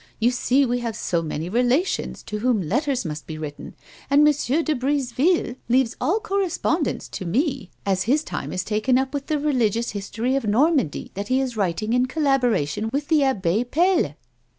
You see we have so many relations to whom letters must be written, and M. de Briseville leaves all coiTespondence to me, as his time is taken up with the religious history of Xormandy that he is writing in collaboration with the Ablie Pelle."